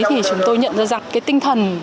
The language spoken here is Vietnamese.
thì chúng tôi nhận ra rằng cái tinh thần